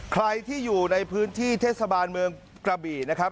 ใครที่อยู่ในพื้นที่เทศบาลเมืองกระบี่นะครับ